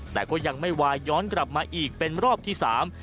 แต่ก็ยังไม่วายย้อนกลับมาอีกเป็นรอบที่สาม